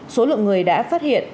số lượng người đã phát hiện